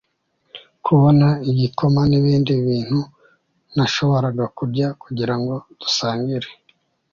kubona igikoma nibindi bintu nashoboraga kurya kugirango dusangire